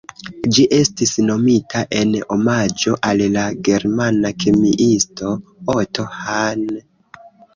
Ĝi estis nomita en omaĝo al la germana kemiisto Otto Hahn.